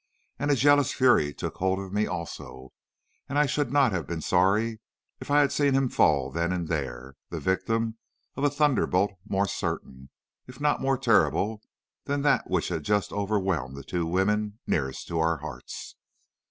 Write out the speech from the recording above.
And a jealous fury took hold of me also, and I should not have been sorry if I had seen him fall then and there, the victim of a thunderbolt more certain, if not more terrible, than that which had just overwhelmed the two women nearest to our hearts.